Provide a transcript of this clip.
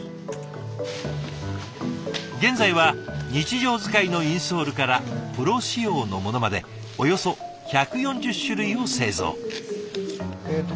現在は日常使いのインソールからプロ仕様のものまでおよそ１４０種類を製造。